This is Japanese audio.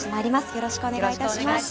よろしくお願いします。